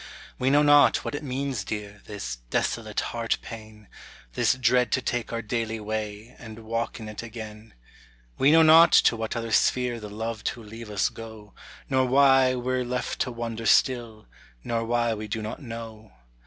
We know not what it means, dear, this desolate heart pain; This dread to take our daily way, and walk in it again; We know not to what other sphere the loved who leave us go, Nor why we 're left to wonder still, nor why we do not know.